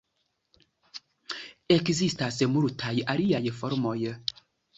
Ekzistas multaj aliaj formoj.